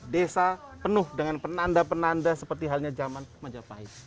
desa penuh dengan penanda penanda seperti halnya zaman majapahit